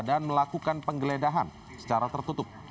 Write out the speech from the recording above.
dan melakukan penggeledahan secara tertutup